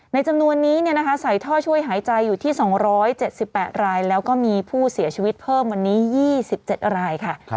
จำนวนนี้ใส่ท่อช่วยหายใจอยู่ที่๒๗๘รายแล้วก็มีผู้เสียชีวิตเพิ่มวันนี้๒๗รายค่ะ